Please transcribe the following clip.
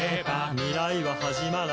「未来ははじまらない」